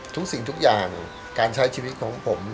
สิ่งทุกอย่างการใช้ชีวิตของผม